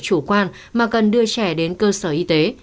chủ quan mà cần đưa trẻ đến cơ sở y tế